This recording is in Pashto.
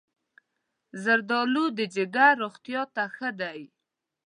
زردالو د جگر روغتیا ته ښه ده.